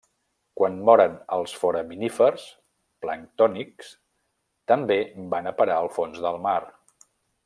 Quan moren els foraminífers planctònics també van a parar al fons del mar.